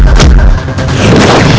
terima kasih raden